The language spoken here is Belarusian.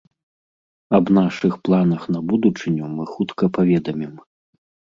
Аб нашых планах на будучыню мы хутка паведамім.